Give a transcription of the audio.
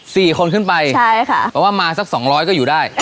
สี่คนขึ้นไปใช่ค่ะเพราะว่ามาสักสองร้อยก็อยู่ได้